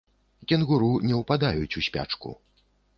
Кенгуру не ўпадаюць у спячку.